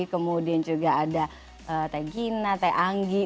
kemudian juga ada teh gina teh anggi